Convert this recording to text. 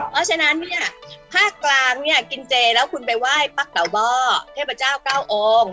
เพราะฉะนั้นภาคกลางกินเจแล้วคุณไปไหว้ปักเต่าบ่อเทพเจ้าเก้าองค์